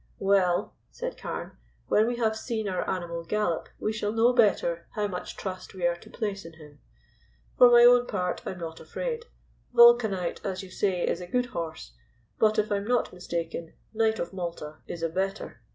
"Well," said Carne, "when we have seen our animal gallop we shall know better how much trust we are to place in him. For my own part I'm not afraid. Vulcanite, as you say, is a good horse, but, if I'm not mistaken, Knight of Malta is a better.